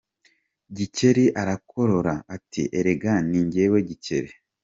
Gikeli arakorora, ati “Erega ni jye Gikeli.